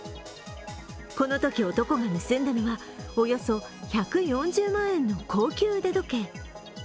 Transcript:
このとき男が盗んだのは、およそ１４０万円の高級腕時計。